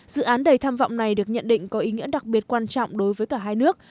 dự án đầy tham vọng này được nhận định có ý nghĩa đặc biệt quan trọng đối với cả hai nước